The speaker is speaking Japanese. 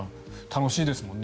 楽しいですもんね。